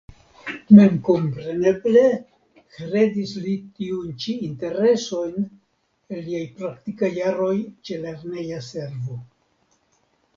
Memkompreneble heredis li tiujn ĉi interesojn el liaj praktikaj jaroj ĉe lerneja servo.